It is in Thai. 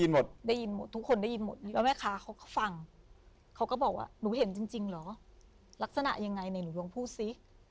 หยุดหวังพูดซิ